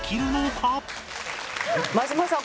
真島さん